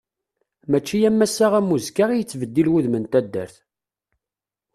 Mačči am ass-a am uzekka i yettbeddil wudem n taddart.